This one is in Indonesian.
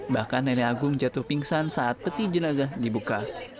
bahkan nenek agung jatuh pingsan saat peti jenazah dibuka